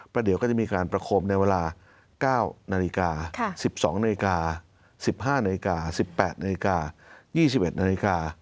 เดี๋ยวก็จะมีการประคมในเวลา๙นาฬิกา๑๒นาฬิกา๑๕นาฬิกา๑๘นาฬิกา๒๑นาฬิกา